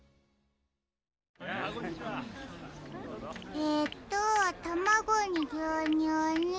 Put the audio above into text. えっとたまごにぎゅうにゅうに。